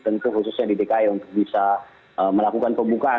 tentu khususnya di dki untuk bisa melakukan pembukaan